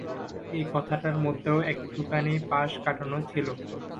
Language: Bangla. এ কথাটার মধ্যেও একটুখানি পাশ-কাটানো ছিল।